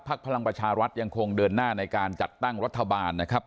พลังประชารัฐยังคงเดินหน้าในการจัดตั้งรัฐบาลนะครับ